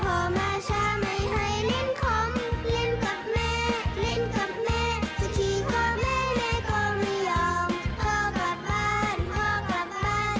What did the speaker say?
พ่อมาทันแม่ยอมให้กรอบ